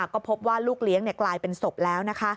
ก็พบว่าลูกเลี้ยงกลายเป็นศพแล้ว